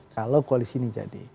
kalau koalisi ini jadi